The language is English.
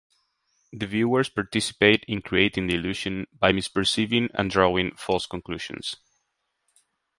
The viewers participate in creating the illusion by misperceiving and drawing false conclusions.